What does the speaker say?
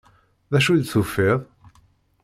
D acu i d-tufiḍ?